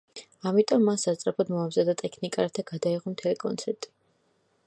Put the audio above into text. ამიტომ მან სასწრაფოდ მოამზადა ტექნიკა, რათა გადაეღო მთელი კონცერტი.